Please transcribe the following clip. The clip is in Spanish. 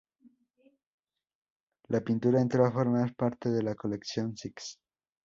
La pintura entró a formar parte de la Colección Six.